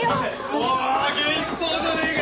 お元気そうじゃねえか。